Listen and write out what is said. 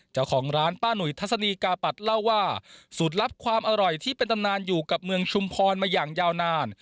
เจ้าของร้านป้าหนุ่ยทัศนีกาปัดเล่าว่าสูตรลับความอร่อยที่เป็นตำนานอยู่กับเมืองชุมพรมาอย่างยาวนาน